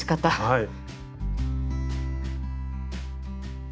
はい。